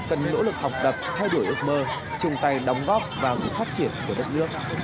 cần nỗ lực học tập thay đổi ước mơ chung tay đóng góp vào sự phát triển của đất nước